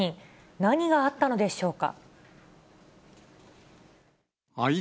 何があったのでしょうか。